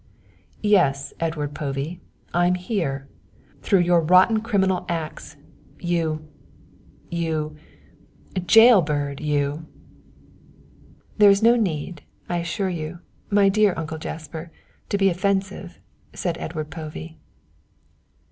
"Yes, Edward Povey, I'm here, through your rotten criminal acts, you you jail bird, you " "There is no need, I assure you, my dear Uncle Jasper, to be offensive," said Edward Povey.